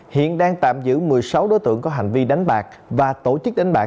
hiện đang tạm giữ một mươi sáu đối tượng có hành vi đánh bạc và tổ chức đánh bạc